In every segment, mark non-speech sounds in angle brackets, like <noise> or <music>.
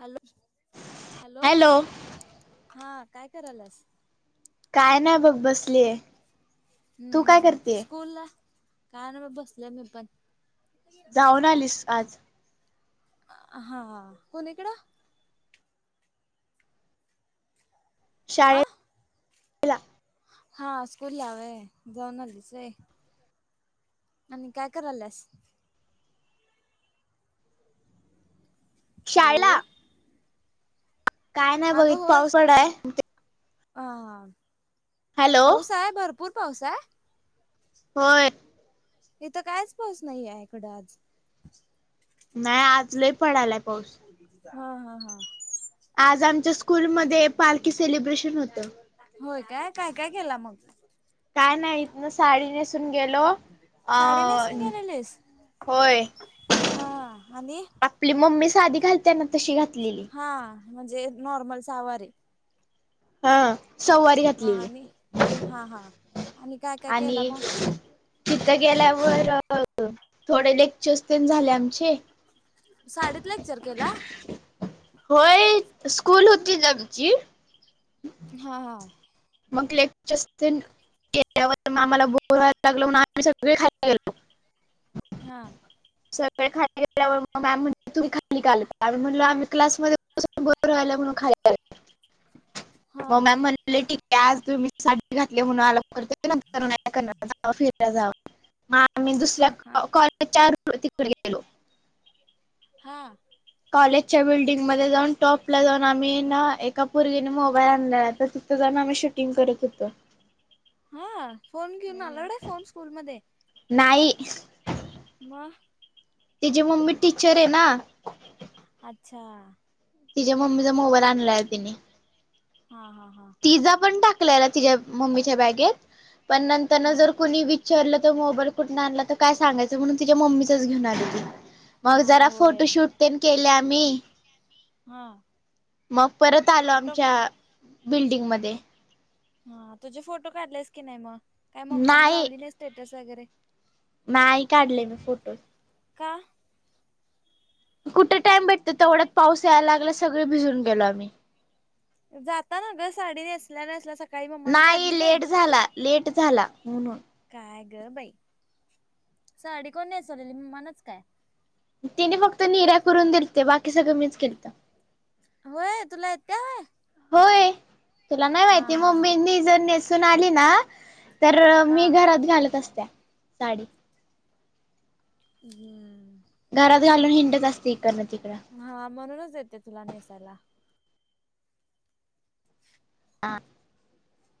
Hello hello हा काय कराल्यास. काय नाही बघ बसलीय. तू काय हुं करतेय स्कूल ला काय नाही ब बसल्या मी पण. जाऊन आलीस आज हा कुणीकड? आं शाळेला हा स्कूलला होय जाऊन आलीस होय. आणि काय कराल्यास. शाळेला हॅलो. काय नाही बघ आगं इथ होय पाऊस पडाय की. हां हॅलो पाऊस आय भरपूर पाऊस आय. होय. इथं कायच पाऊस नाहीयाय इकडं आज. नाही आज लय पडयलाय पाऊस. हा हा हा. आज आमच्या स्कूलमध्ये पालखी सेलिब्रेशन होतं होय काय काय काय केला मग? काय नाही साडी नेसून गेलो अ साडी नेसून गेलेलीस होय हा आणि आपली मम्मी साधी घालत्या ना तशी घातलेली हा म्हणजे नॉर्मल साहावारी हा सवारी म घातलेली आणि हा हा आणि काय काय केला आणि मग तिथं गेल्यावर थोडे लेक्चर्स तेन झाले आमचे साडीेत लेक्चर केला? होय स्कुल होती आमची ह <inaudible> हा हा मग लेक्चरसं तेन केल्यावर आम्हाला बोर व्हायला लागल म्हणून आम्ही सगळे खायला गेलो हा सगळे खाली गेल्यावर मग मॅम म्हणले तुम्ही खाली का आलात आम्ही म्हणलो आम्ही क्लासमध्ये बसून बोर व्हायला लागले म्हणून खाली आलो हम् <inaudible> मग मॅम म्हणाले ठीक आहे आज तुम्ही साडी घातली म्हणून आलात <unintelligible> जावा फिरायला जावा मग आम्ही दुसऱ्या हा हा चार <unintelligible> तिकडं गेलो हां कॉलेजच्या बिल्डिंगमध्ये जाऊन टॉप ला जाऊन आम्ही ना एका पुरगीन मोबाईल आणलेला त्याच्यावरून आम्ही शूटिंग करत होतो हा फोन घेऊन आलाऊड आहे फोन स्कूलमध्ये नाही मग तिची मम्मी टीचर आहे ना ह <unintelligible> अच्छा तिच्या मम्मीचा मोबाईल आणलेला तिने हा हा हा तिचा पण टाकलेला तिच्या मम्मीच्या बॅगेत पण नंतरनं हा जर कुणी वि चारलं तर मोबाईल कुठून आणला तर काय सांगायचं म्हणून तिच्या मम्मीचाचं घेऊन आली ती. मग हा जरा होय फोटोशूट तेन केले आम्ही. हा मग परत आलो फोटो आमच्या बिल्डिंग मध्ये. हा तुझे फोटो काढलेस की नाही मग काही मम्माने लावली नाही स्टेटस वगैरे नाही काढले मी फोटो का? कुठे टाइम भेटतो तेवढ्यात पाऊस यायला लागला सगळे भिजून गेलो आम्ही जाता ना ग साडी नेसल्या नेसल्या स नाही लेट झाला लेट झाला म्हणून, काय ग बाई, साडी कोण नेसवलेली मम्मानंच काय? तिने फक्त निऱ्या करून दिलत्या बाकी सगळं मीच केलतं व्हय तुला येतय व्हय? होय तुला नाही माहिती हा मम्मीनी जर नेसून आली ना तर हा मी घरात घालत असत्या साडी ह्म्म घरात घालून हिंडत असते इकडनं तिकडं हा म्हणूनच येते तुला नेसाला. आं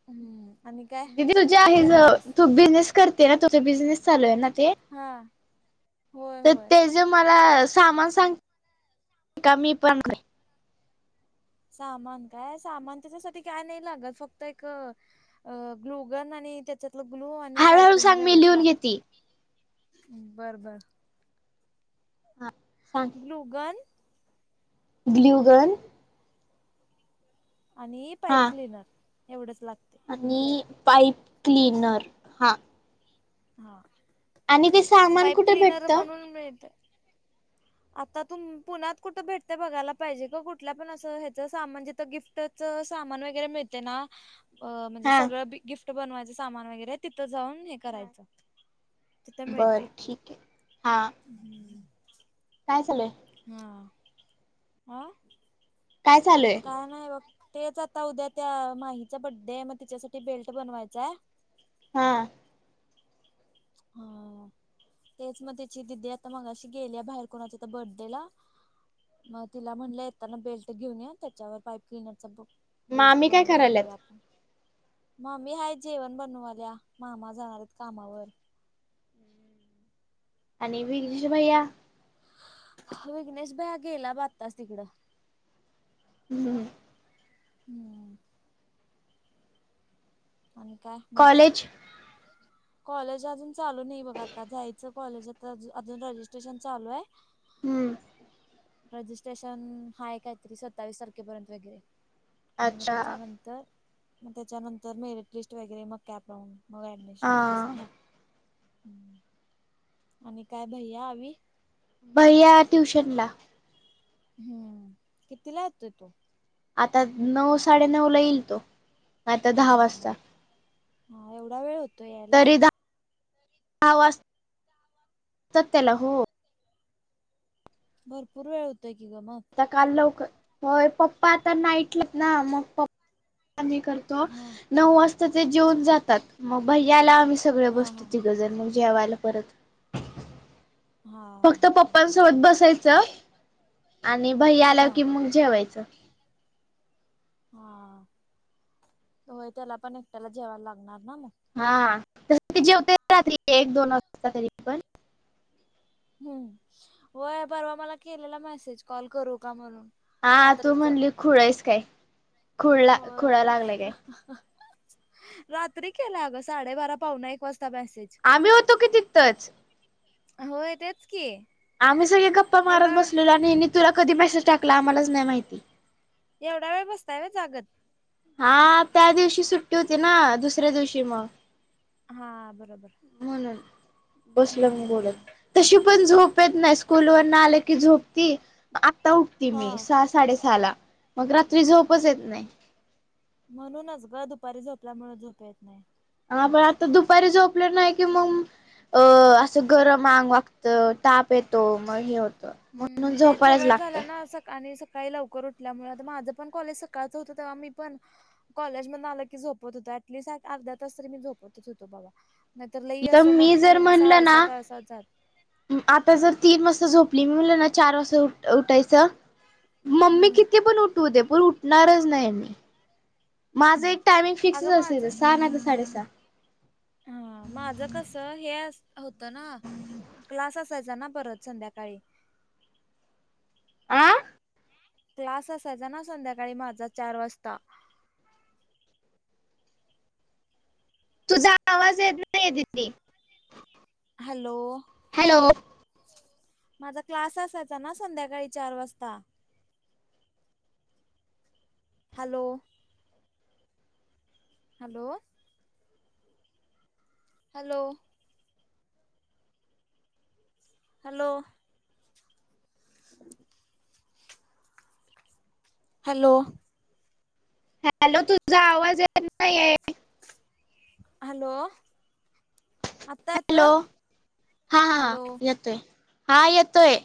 हम्म. आणि काय दिदी तुझ्या काय आहे ज करायल्यास तू बिझनेस करते ना तुझ बिझनेस चालू आहे ना ते हा होय त होय ते ज मला सामान सांग का मी पण क सामान काय, सामान त्याच्यासाठी काय नाय लागत फक्त एक अ ग्लुगन आणि त्याच्यातलं ग्लू आणि पाईप हळूहळू क्लिनर सांग मी एवढंच लिहून लाग घेते बर बर. हा सांग. ग्लुगन ग्ल्यूगन आणि हा पाईप क्लिनर एवढंच लागतय. आणि पाईप क्लिनर हा हा आणि ते सामान पाईप कुठे क्लिनर भेटत म्हणून मिळतय आता तूम पुण्यात कुठं भेटत बघायला पाहिजे ग कुठल्या पण असं ह्याचं सामण जित गिफ्ट ट चं सामान वगैरे मिळते ना अं म्हणजे हा सगळं बी गिफ्ट बनवायचं सामान वगैरे तिथं जाऊन हे करायचं. तिथ मिळतय, बर ठीक आहे हा ह्म्म काय चालुय? हा आ काय चालूये? काय नाही बघ, तेच आता उद्या त्या माहीचा बड्डे आहे मग तिच्यासाठी बेल्ट बनवायचाय हा. हा. तेच म तिची दिदी आता मगाशी गेलीया बाहेर कोणाच्या इथ बर्थडे ला मग तिला म्हणलं येताना बेल्ट घेऊन त्याच्यावर पाईप क्लिनर चा ब बेल्ट मामी काय बनवून देऊया करायल्यात आपूण. मामी हाय जेवण बनवाल्या मामा जाणारयेत कामावर. आणि विघ्नेश भैया? विघ्नेश भैया गेला ब आत्ताच तिकडं. हम्म. हम्म. आणि काय मग? कॉलेज कॉलेज अजून चालू नीय बघ आता जायचं कॉलेज आता ज अजून रजिस्ट्रेशन चालू हाय. हूं. रजिस्ट्रेशन हाय कायतरी सत्तावीस तारखेपर्यंत वगैरे. आणि मग अच्छा त्याच्यानंतर, मग त्याच्यानंतर मेरिट लिस्ट वगैरे मग कॅप राऊंड मग एप्प हा निशवन असा हाय हूं आणि काय भैया अवी भैय्या ट्युशनला. हम्म किती ला येतोय तो? आता नऊ, साडेनऊ ला येईल तो आता हा दहा हा वाजता हा हा एवढा वेळ होत तरी दहा दहा वाजतात त्याला हो. भरपूर वेळ होतय की ग मग आता काल लवकर होय पप्पा आता नाईटला येत ना मग पप्पा नी करतय तो हा नऊ वाजता ते जेऊन जातात म भैयाल्याव आम्ही सगळ हा बसतो हा ति जण मग जेवायला परत हा फक्त हा पप्पांसोबत बसायचं आणि भैया आल्या हा की मग जेवायचं. हा होय त्याला पण एकट्याला जेवायला लागणार ना म. हा तस त जेवते रात्री एक, दोन वाजता तरी पण हम् व्हय परवा मला केलेला मेसेज, कॉल करू का म्हणून हा तू रात्रीच म्हणली खुळयस काय खुळ खुळ होय लागलंय काय. रात्री केलाय अगं साडेबारा, पाहुणा एक वाजता मॅसेज. आम्ही होतो की तिथंच. होय तेच की आम्ही सगळे गप्पा मारत एवढा वेळ बसलेलो आणि हेनी तुला कधी मेसेज टाकला आम्हालाच नाही माहिती. एवढा वेळ बसताय व्हय जागत हा त्या दिवशी सुट्टी होती ना दुसऱ्या दिवशी म हा बरोबर म्हणून बसलो म हम्म बोलत तशी पण झोप येत नाही स्कूलवर न आलं की झोपती आता उठती हा मी सहा सा साडेसहा ला मग रात्री झोपच येत नाही म्हणूनच ग दुपारी झोपल्यामुळ झोप येत नाही. हा म आता दुपारी झोपले नाही कि मग अ असं गरम आंग वागत ताप येतो मग हे होत. हम्म ते चवय झाल्या ना स आणि सक सकाळी लवकर उठल्यामुळ आता माझं पण कॉलेज सकाळचं होत तेव्हा मी पण कॉलेज मधन आलं की झोपत होतो ऍटलीस्ट अर्धा तास तरी मी झोपतच होतो बाबा. नाहीतर लई इथ असं मग मी पू जर असा म्हणलं ना आळसात आळसात जातय. आता जर तीन वाजता झोपली मी मिम्हणलो ना चार वाजता उठायचं मम्मी हम्म किती पण उठऊदे पण उठणारच नाही मी. माझं हम्म. एक टायमिंग फिक्सच अगं असायचं माझं सहा नायतर साडेसहा. हा माझं कस हे अस होतं ना क्लास असायचा ना परत संध्याकाळी. आं क्लास असायचा ना संध्याकाळी माझा चार वाजता. तुझा आवाज येत नाईये दिदी. हॅलो हॅलो माझा क्लास असायचा ना संध्याकाळी चार वाजता. Hello hello hello hello hello hello तुझा आवाज येत नाहीये. हॅलो आता येतोय? हॅलो हॅलो तोय हा येतोय.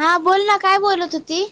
हा बोल ना काय बोलत होती.